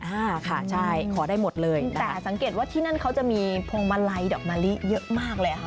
อ่าค่ะใช่ขอได้หมดเลยแต่สังเกตว่าที่นั่นเขาจะมีพวงมาลัยดอกมะลิเยอะมากเลยค่ะ